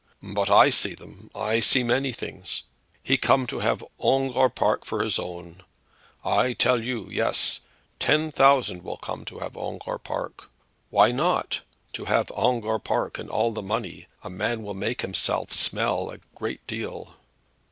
"But I see them. I see many things. He come to have Ongere Park for his own. I tell you, yes. Ten thousand will come to have Ongere Park. Why not? To have Ongere Park and all de money a man will make himself smell a great deal."